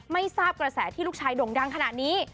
ไม่ทราบกระแสที่ลูกชายด่งดังขนาดนี้